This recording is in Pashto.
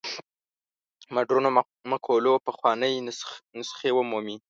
مډرنو مقولو پخوانۍ نسخې ومومي.